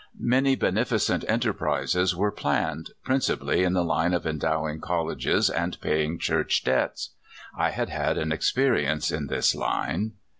Many beneficent 'enterprises were planned, principally in the line of endowing col leges, and paying church debts. (I had had an experience in this line.)